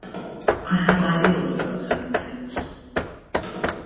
I have ideals about certain things.